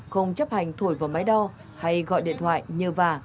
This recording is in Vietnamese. không chấp hành thổi vào máy đo hay gọi điện thoại nhờ vả